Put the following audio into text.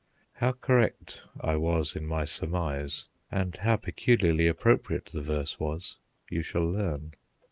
" How correct I was in my surmise, and how peculiarly appropriate the verse was, you shall learn.